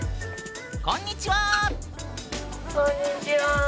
こんにちは。